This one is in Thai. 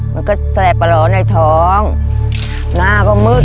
มันก็แสบประหล่อในท้องหน้าก็มืด